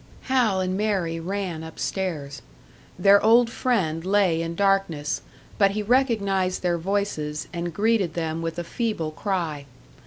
Hal and Mary ran upstairs. Their old friend lay in darkness, but he recognised their voices and greeted them with a feeble cry.